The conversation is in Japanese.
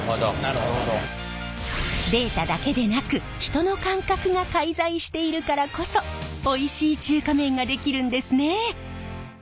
データだけでなく人の感覚が介在しているからこそおいしい中華麺が出来るんですね。